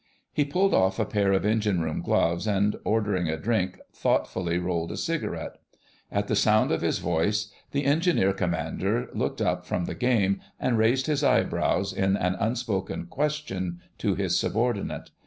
He pulled off a pair of engine room gloves, and, ordering a drink, thoughtfully rolled a cigarette. At the sound of his voice the Engineer Commander looked up from the game and raised his eyebrows in an unspoken question to his subordinate.